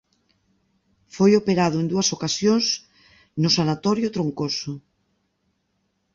Foi operado en dúas ocasións no sanatorio Troncoso.